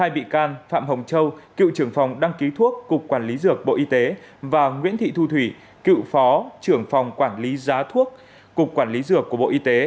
hai bị can phạm hồng châu cựu trưởng phòng đăng ký thuốc cục quản lý dược bộ y tế và nguyễn thị thu thủy cựu phó trưởng phòng quản lý giá thuốc cục quản lý dược của bộ y tế